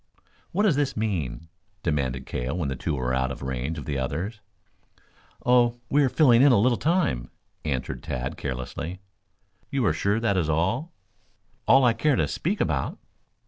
"What does this mean?" demanded Cale when the two were out of range of the others. "Oh, we are filling in a little time," answered Tad carelessly. "You are sure that is all?" "All I care to speak about."